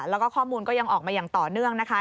แล้วก็ข้อมูลก็ยังออกมาอย่างต่อเนื่องนะคะ